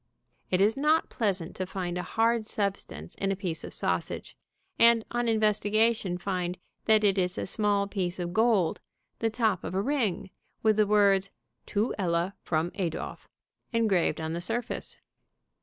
It is not pleasant to find a hard substance in a piece of sausage, and on investigation find that it is a small piece of gold, the top of a ring, with the words "To Ella from Adolph," engraved on the surface.